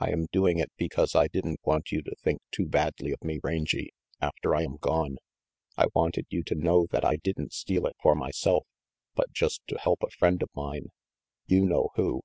"I am doing it because I didn't want you to think too badly of me, Rangy, after I am gone. I wanted you to know that I didn't steal it for myself, but just to help a friend of mine. You know who.